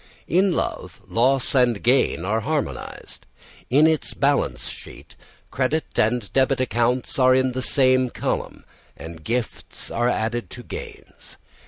In love, loss and gain are harmonised. In its balance sheet, credit and debit accounts are in the same column, and gifts are added to gains.